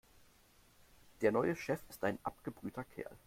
Der neue Chef ist ein abgebrühter Kerl.